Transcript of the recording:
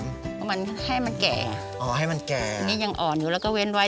เพราะมันให้มันแก่อ๋อให้มันแก่นี่ยังอ่อนอยู่แล้วก็เว้นไว้